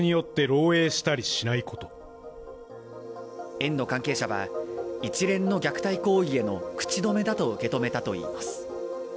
園の関係者は、一連の虐待行為への口止めだと受け止めたといいます。